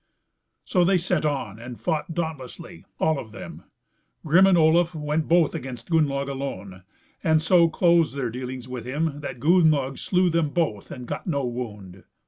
So they set on, and fought dauntlessly, all of them. Grim and Olaf went both against Gunnlaug alone, and so closed their dealings with him that Gunnlaug slew them both and got no wound.